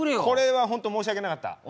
これは本当申し訳なかった。